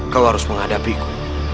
kau harus menghadapiku